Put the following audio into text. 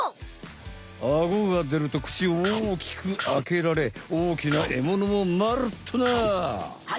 アゴがでると口を大きくあけられ大きなエモノもまるっとな！